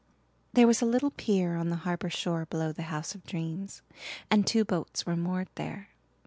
There was a little pier on the harbour shore below the House of Dreams, and two boats were moored there.